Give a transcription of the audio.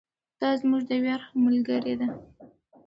دا زموږ د ویاړ ملګرې ده.